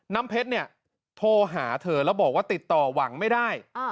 น้ำเพชรเนี่ยโทรหาเธอแล้วบอกว่าติดต่อหวังไม่ได้